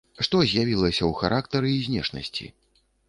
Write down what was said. Што з'явілася ў характары і знешнасці?